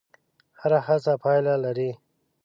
هره هڅه پایله لري.